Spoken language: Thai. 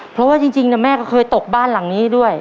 เพราะว่าจริงแม่ก็เคยตกบ้านหลังนี้ด้วย